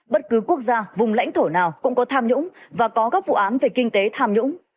bất cứ quốc gia vùng lãnh thổ nào cũng có tham nhũng và có các vụ án về kinh tế tham nhũng